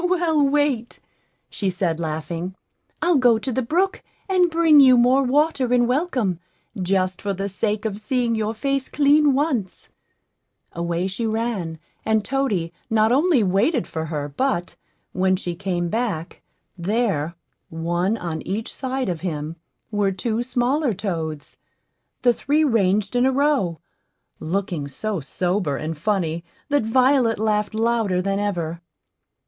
"Well, wait," she said, laughing; "I'll go to the brook and bring you more water in welcome, just for the sake of seeing your face clean once." Away she ran, and toady not only waited for her, but, when she came back, there, one on each side of him, were two smaller toads the three ranged in a row, looking so sober and funny that Violet laughed louder than ever.